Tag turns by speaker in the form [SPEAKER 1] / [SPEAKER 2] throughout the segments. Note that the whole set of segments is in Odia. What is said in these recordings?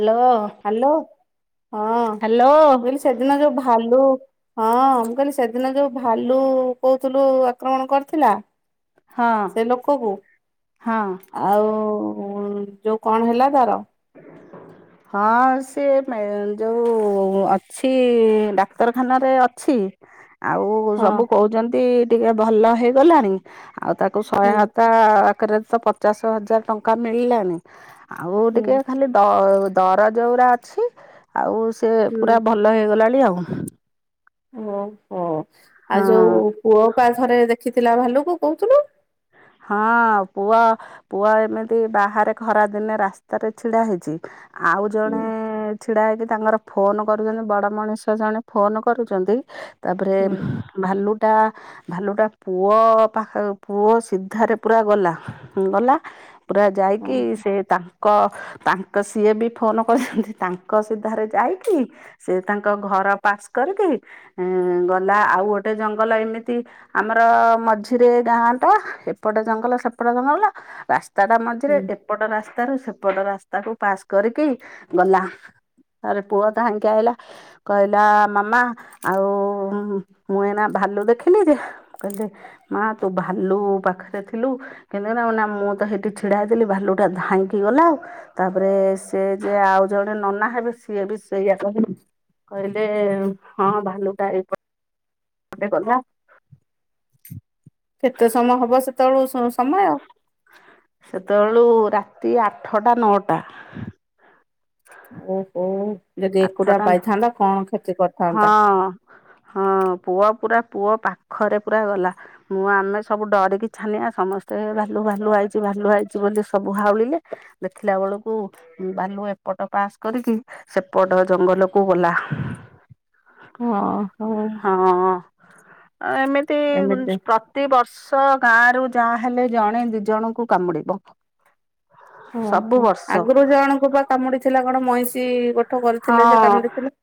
[SPEAKER 1] ହାଲୋ ଓ
[SPEAKER 2] ହାଲୋ ହଁ ମୁଁ କହିଲି ସେଦିନ ଯୋଉ ଭାଲୁ ହଁ ମୁଁ କହିଲି ସେଦିନ ଯୋଉ ଭାଲୁ କହୁଥୁଲୁ ଆକ୍ରମଣ କରିଥିଲା
[SPEAKER 1] ହଁ
[SPEAKER 2] ସେ ଲୋକକୁ
[SPEAKER 1] ହଁ।
[SPEAKER 2] ଆଉ ଉ ଯୋଉ କଣ ହେଲା ତାର?
[SPEAKER 1] ହଁ ସିଏ ମେ ଯୋଉ ଅଛି ଡାକ୍ତରଖାନାରେ ଅଛି। ଆଉ
[SPEAKER 2] ହଁ
[SPEAKER 1] ସବୁ କହୁଛନ୍ତି ଟିକେ ଭଲ ହେଇଗଲାଣି। ଆଉ ତାକୁ
[SPEAKER 2] ହୁଁ
[SPEAKER 1] ସହାୟତା ଆକାରରେ ତ ପଚାଶ ହଜାର ଟଙ୍କା ମିଳିଲାଣି। ଆଉ
[SPEAKER 2] ହୁଁ
[SPEAKER 1] ଟିକେ ଖାଲି ଦ ଦରଜ ଗୁରା ଅଛି ଆଉ ସେ
[SPEAKER 2] ହୁଁ
[SPEAKER 1] ପୁରା ଭ ଭଲ ହେଇଗଲାଣି ଆଉ।
[SPEAKER 2] ଓହୋ ଆଉ
[SPEAKER 1] ହଁ।
[SPEAKER 2] ଯୋଉ ପୁଅ ପା ଥରେ ଦେଖିଥିଲା ଭାଲୁକୁ କହୁଥିଲୁ।
[SPEAKER 1] ହଁ ପୁଅ ପୁଅ ଏମିତି ବାହାରେ ଖରା ଦିନେ ରାସ୍ତାରେ ଛିଡା ହେଇଚି ଆଉ
[SPEAKER 2] ହୁଁ
[SPEAKER 1] ଜଣେ ଏଁ ଏଁ ଛିଡ଼ା ହେଇକି ତାଙ୍କର ଫୋନ୍ କରୁଛନ୍ତି ବଡ଼ ମଣିଷ ଜଣେ ଫୋନ୍ କରୁଛନ୍ତି ତାପରେ
[SPEAKER 2] ହୁଁ
[SPEAKER 1] ଭାଲୁଟା ଭାଲୁଟା ପୁଅ ପାଖ ପୁଅ ସିଧ ଧାରେ ପୁରା ଗଲା ଗଲା ପୁରା
[SPEAKER 2] ହଁ
[SPEAKER 1] ଯାଇକି ସେ ତା କ ତାଙ୍କ ସିଏ ବି ଫୋନ କରିଛନ୍ତି ତାଙ୍କ ସିଧାରେ ଯାଇକି ସେ ତାଙ୍କ ଘର ପାସ୍ କରିକି ଗଲା, ଆଉ ଗୋଟେ ଜଙ୍ଗଲ ଏମିତି ଆମର ଅ ମଝିରେ ଗାଁଟା ଏପ୍ ଏପଟ ଜଙ୍ଗଲ ସେପଟ ଜଙ୍ଗଲ ରାସ୍ତାଟା ମଝିରେ
[SPEAKER 2] ହୁଁ
[SPEAKER 1] ଏପ ଏପଟ ରାସ୍ତାରୁ ସେପଟ ରାସ୍ତାକୁ ପାସ୍ କରିକି ଗଲା। ତାରେ ପୁଅ ଧାଇଁକି ଆଇଲା। କହିଲା ମାମା ଆଉ ମୁଁ ଏଇନା ଭାଲୁ ଦେଖିଲି ରି କହିଲି ମା ତୁ ଭାଲୁ ପାଖ ସେ ଥିଲୁ କିନ୍ତ ନା ନା ମୁଁ ତ ସେଇଠି ଛିଡାଇଥିଲି ଭାଲୁଟା ଧାଇଁକି ଗଲା ଆଉ। ତାପରେ ସେ ଯେ ଆଉ ଜଣେ ନନା ହେବେ ସିଏ ବି ସେଇଆ କହିବ କହିଲେ ହଁ ଭାଲୁ ଟା ଏଇ ଟେ ଗଲା
[SPEAKER 2] କେତେ ସମୟ ହବ ସେତେବେଳ ସମୟ
[SPEAKER 1] ସେତେବେଳୁ ରାତି ଆଠଟା ନଅଟା।
[SPEAKER 2] ଓହୋ ଯଦି ଏକୁଟା
[SPEAKER 1] ଆଠଟା
[SPEAKER 2] ପାଇଥାନ୍ତା କଣ କ୍ଷତି କର
[SPEAKER 1] ହଁ ହଁ ପୁଅ ପୁରା ପୁଅ ପାଖରେ ପୁରା ଗଲା ମୁଁ ଆମେ ସବୁ ଡରିକି ଛାନିଆ ସମସ୍ତେ ଭାଲୁ ଭାଲୁ ଆଇଛି ଭାଲୁ ହେଇଛି ବୋଲି ସବୁ ହାଉଳିଲେ ଦେଖିଲା ବେଳକୁ ବାଲୁ ଏପଟ ପାସ୍ କରିକି ସେପଟ ଜଙ୍ଗଲକୁୁ ଗଲା
[SPEAKER 2] ହଁ ହୋ
[SPEAKER 1] ହଁ ଏମିତି ପ୍ର
[SPEAKER 2] ଏମିତି
[SPEAKER 1] ପ୍ରତେ ବର୍ଷ ଗାଁରୁ ଯାହା ହେଲେ ଜଣେ ଦିଇଜଣଙ୍କୁ କାମୁଡ଼ିବ
[SPEAKER 2] ଓ
[SPEAKER 1] ସବୁ
[SPEAKER 2] ହୋ
[SPEAKER 1] ବର୍ଷ
[SPEAKER 2] ଆଗରୁ ଜଣଙ୍କୁ ବା କାମୁଡିଥିଲା କଣ ମଇଁଷି ଗୋଠ କରିଥିଲେ ସେ କାମୁଡିଥିଲା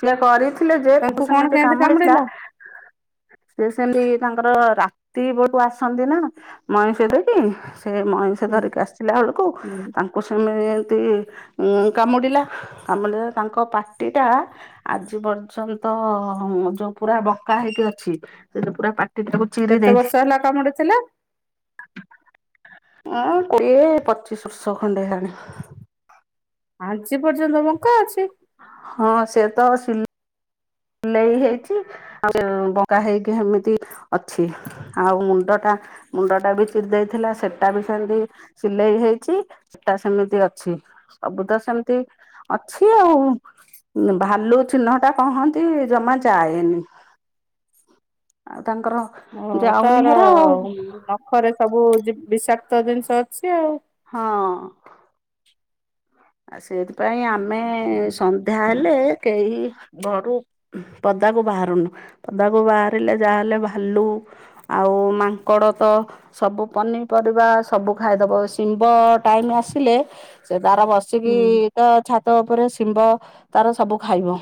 [SPEAKER 1] ସେଆ କରିଥିଲେ ଯେ ତାକୁ
[SPEAKER 2] ତାଙ୍କୁ କଣ
[SPEAKER 1] ସେତି
[SPEAKER 2] କେମିତି
[SPEAKER 1] କାମୁଡିଥିଲା
[SPEAKER 2] କାମୁଡିଲା [inaudible]
[SPEAKER 1] ସେ ସେମିତି ତାଙ୍କର ରାତି ପୋଟୁ ଆସନ୍ତି ନା ମଣିଷ ଦେବି ସେ ମଇଷ
[SPEAKER 2] ହୁଁ
[SPEAKER 1] ଧରିକି ଆସିଲା ବେଳକୁ
[SPEAKER 2] ହୁଁ
[SPEAKER 1] ତା କ ସେମ ଏମିତି କାମୁଡ଼ିଲା କାମୁଡ଼ିଲେ ତାଙ୍କ ପାଟିଟା ଆଜି ପର୍ଯ୍ୟନ୍ତ ଯୋଉ ପୁରା ବକା ହେଇକି ଅଛି ସେ ପୁରା ପାଟି ତାକୁ
[SPEAKER 2] କେତେ ବର୍ଷ ହେଲା କାମୁଡି ଥିଲା
[SPEAKER 1] ହ କୋଡିଏ ପଚିଶ ବର୍ଷ ଖଣ୍ଡେ ହେଲାଣି
[SPEAKER 2] ଆଜି ପର୍ଯ୍ୟନ୍ତ ବଙ୍କା ଅଛି
[SPEAKER 1] ହଁ ସେ ତ ସି ଲେଇ ହେଇଛି ଆ ବଙ୍କା ହେଇକି ଏମିତି ଅଛି। ଆଉ ମୁଣ୍ଡଟା ମୁଣ୍ଡ ଟା ବି ଚିରି ଦେଇଥିଲା ସେଟା ବି ସେମତି ସିଲେଇ ହେଇଛି ସେଟା ସେମିତି ଅଛି ସବୁଦ ସେମିତି ଅଛି ଆଉ। ଭାଲୁ ଚିହ୍ନ ଟା କହନ୍ତି ଜମା ଜାଏନି ଆଉ ତାଙ୍କର
[SPEAKER 2] ଓ
[SPEAKER 1] ଯାଉନି
[SPEAKER 2] ତାର
[SPEAKER 1] ହେରା ଆଉ
[SPEAKER 2] ନଖରେ ସବୁ ବିଷାକ୍ତ ଜିନିଷ ଅଛି ଆଉ
[SPEAKER 1] ହଁ। ଆଉ ସେଥିପାଇଁ ଆମେ ସନ୍ଧ୍ୟା ହେଲେ ହେଲେ କେହି ଘରୁ ପଦାକୁ ବାହାରୁନୁ ପଦାକୁ ବାହାରିଲେ ଯାହାହେଲେ ଭାଲୁ ଆଉ ମାଙ୍କଡ ତ ସବୁ ପନିପରିବା ସବୁ ଖାଇଦବ ଶିମ୍ବ ଟାଇମ ଆସିଲେ ସେ ତାର ବସ ସେ କିି
[SPEAKER 2] ହୁଁ
[SPEAKER 1] ତା ଛାତ ଉପରେ ଶିମ୍ବ ତାର ସବୁ ଖାଇବ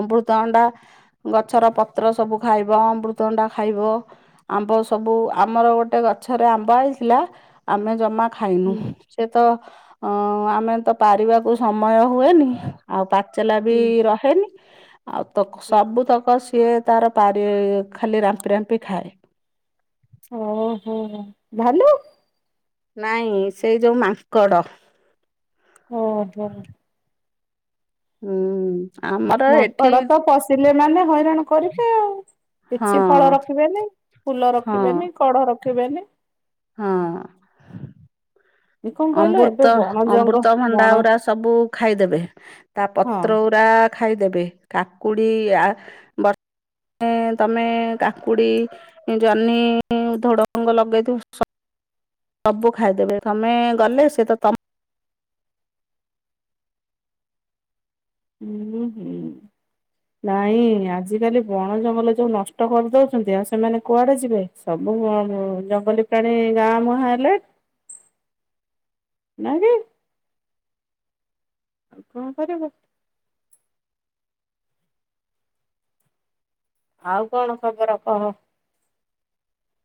[SPEAKER 1] ଅମୃତ ଅଣ୍ଡା ଗଛର ପତ୍ର ସବୁ ଖାଇବ ଅମୃତଣ୍ଡା ଖାଇବ ଆମ୍ବ ସବୁ ଆମର ଗୋଟେ ଗଛରେ ଆମ୍ବ ଆଇଥିଲା ଆମେ ଜମା ଖାଇନୁ
[SPEAKER 2] ହୁଁ
[SPEAKER 1] ସେ ତ ଅ ଆମେ ତ ପାରିବାକୁ ସମୟ ହୁଏନି ଆଉ ପାଚଲା ବି
[SPEAKER 2] ହୁଁ
[SPEAKER 1] ରହେନି ଆଉ ତକ
[SPEAKER 2] ହୁଁ।
[SPEAKER 1] ସବୁ ତକ ସିଏ ତାର ପାରି ଖାଲି ରାମ୍ପି ରାମ୍ପି ଖାଏ
[SPEAKER 2] ଓହୋ ହୋ ଭାଲୁ
[SPEAKER 1] ନାଇଁ ସେଇ ଯଉ ମାଙ୍କଡ଼
[SPEAKER 2] ହଁ ହୋଁ।
[SPEAKER 1] ହୁଁ ଆମର ଏଠି
[SPEAKER 2] ପିଲେମାନେ ହଇରାଣ କରିବେ ଆଉ
[SPEAKER 1] ହଁ
[SPEAKER 2] କିଛି ଫଳ ରଖିବେନି ଫୁଲ
[SPEAKER 1] ହଁ
[SPEAKER 2] ରଖିବେନି କଢ଼ ରଖିବେନି
[SPEAKER 1] ହଁ।
[SPEAKER 2] କଣ କହିଲ ଏବେ
[SPEAKER 1] ଆମ୍ବୁରତ
[SPEAKER 2] ବଣ ଜଙ୍ଗ
[SPEAKER 1] ଅମୃତ ଭଣ୍ଡା
[SPEAKER 2] ବଣ
[SPEAKER 1] ଗୁରା ସବୁ ଖାଇଦେବେ ତା
[SPEAKER 2] ହଁ
[SPEAKER 1] ପତ୍ର ଉରା ଖାଇଦେବେ କାକୁଡି ଆ ବ ଏ - ତମେ କାକୁଡି ଜହ୍ନି ଥୋଡଙ୍ଗ ଲଗେଇ ଦ ସବୁ ଖାଇଦେବେ ତମେ ଗଲେ ସେ ତ ତମ
[SPEAKER 2] ହୁଁ ହୁଁ ନାଇଁ ଆଜିକାଲି ବଣ, ଜଙ୍ଗଲ ଯୋଉ ନଷ୍ଟ କରିଦଉଛନ୍ତି। ଆଉ ସେମାନେ କୁଆଡେ ଯିବେ? ସବୁ ଉଁ ଜଙ୍ଗଲୀ ପ୍ରାଣୀ ଗାଁ ମୁହାଁ ହେଲେ? ନାକି କଣ କରିବୁ? ଆଉ କଣ ଖବର କହ?